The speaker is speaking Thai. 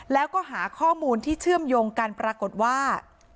แล้วก็หาข้อมูลที่เชื่อมโยงกันปรากฏว่า